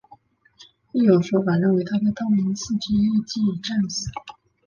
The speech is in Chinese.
亦有说法认为他在道明寺之役即已战死。